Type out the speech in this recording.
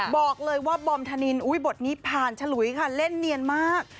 บอกเลยว่าบอมธนินอุ้ยบทนี้ผ่านฉลุยค่ะเล่นเนียนมาก